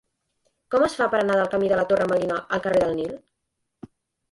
Com es fa per anar del camí de la Torre Melina al carrer del Nil?